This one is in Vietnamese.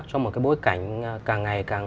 trong một cái bối cảnh càng ngày càng